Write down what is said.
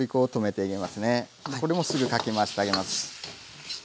これもすぐかき回してあげます。